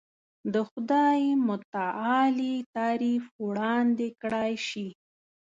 د خدای متعالي تعریف وړاندې کړای شي.